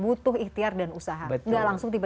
butuh ikhtiar dan usaha